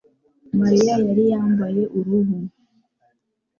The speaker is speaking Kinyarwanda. Mariya yari yambaye uruhu